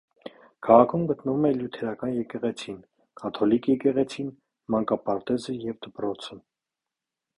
Քաղաքում գտնվում է լյութերական եկեղեցին, կաթոլիկ եկեղեցին, մանկապարտեզը և դպրոցը։